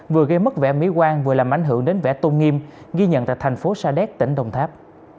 vừa gây mất vẻ mỹ quan vừa làm ảnh hưởng đến vẻ tôn nghiêm ghi nhận tại thành phố sa đéc tỉnh đồng tháp